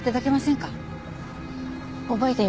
覚えていません。